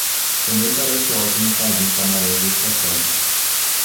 Também parece ótimo com alguns camarões descascados.